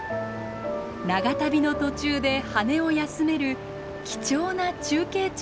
長旅の途中で羽を休める貴重な中継地なのです。